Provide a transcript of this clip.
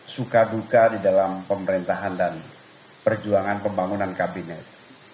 suka duka di dalam pemerintahan dan perjuangan pembangunan kabinet